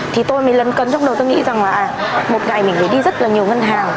thì tôi mới lấn cấn trong đầu tôi nghĩ rằng là một ngày mình phải đi rất là nhiều ngân hàng